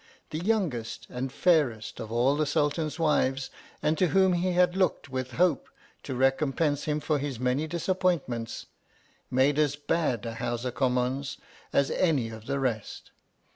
[Conducted by ;uul fairest of all the Sultan's wives, and to whom he had looked with hope to recom pense him for his many disappointments, made as bad a Howsa Kunnn. suns as any of the rest.